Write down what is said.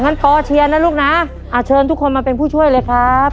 ปอเชียร์นะลูกนะเชิญทุกคนมาเป็นผู้ช่วยเลยครับ